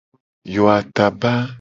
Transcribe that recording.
Yo ataba.